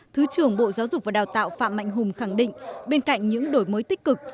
thứ trưởng bộ giáo dục và đào tạo phạm mạnh hùng khẳng định bên cạnh những đổi mới tích cực